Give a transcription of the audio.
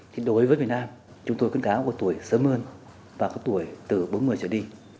thì đối với việt nam chúng tôi khuyến cáo của tuổi sớm hơn và có tuổi từ bốn mươi trở đi